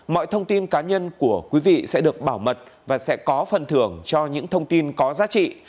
vì thế bản án của quý vị sẽ được bảo mật và sẽ có phần thưởng cho những thông tin có giá trị